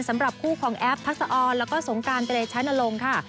สำหรับคู่ของแอฟพักสะออนแล้วก็สงการเป็นชั้นนรงค์ค่ะ